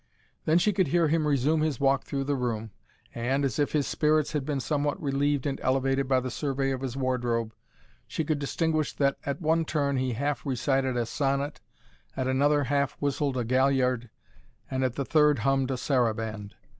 Then she could hear him resume his walk through the room, and, as if his spirits had been somewhat relieved and elevated by the survey of his wardrobe, she could distinguish that at one turn he half recited a sonnet, at another half whistled a galliard, and at the third hummed a saraband.